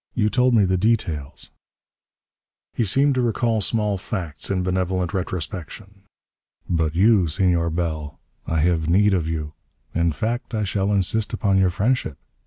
"You told me the details." He seemed to recall small facts in benevolent retrospection. "But you, Senor Bell, I have need of you. In fact, I shall insist upon your friendship.